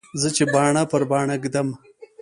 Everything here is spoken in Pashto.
زه چې باڼه پر باڼه ږدم.